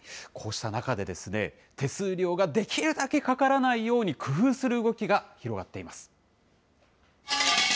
こうした中で、手数料ができるだけかからないように工夫する動きが広がっています。